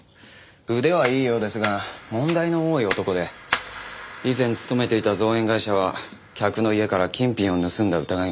腕はいいようですが問題の多い男で以前勤めていた造園会社は客の家から金品を盗んだ疑いがあって解雇を。